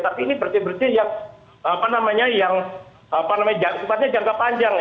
tapi ini bersih bersih yang apa namanya yang apa namanya yang sepatunya jangka panjang